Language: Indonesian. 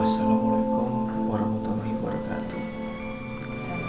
assalamualaikum warahmatullahi wabarakatuh